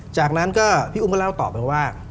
จากนั้นก็พี่อุ้มก็เล่าต่อไปว่า